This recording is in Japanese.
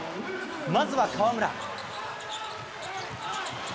まずは河村。